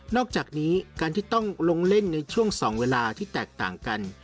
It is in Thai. อกจากนี้การที่ต้องลงเล่นในช่วง๒เวลาที่แตกต่างกัน